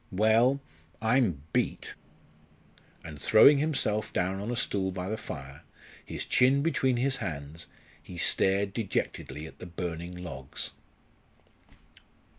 Well, I'm beat!" And throwing himself down on a stool by the fire, his chin between his hands, he stared dejectedly at the burning logs.